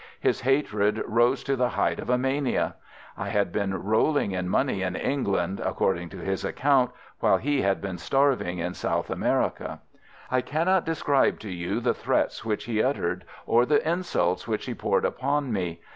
His hatred rose to the height of a mania. I had been rolling in money in England, according to his account, while he had been starving in South America. I cannot describe to you the threats which he uttered or the insults which he poured upon me.